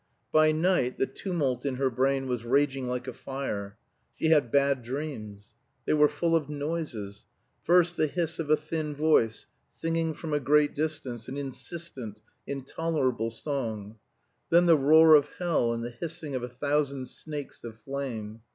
By night the tumult in her brain was raging like a fire. She had bad dreams. They were full of noises. First, the hiss of a thin voice singing from a great distance an insistent, intolerable song; then the roar of hell, and the hissing of a thousand snakes of flame.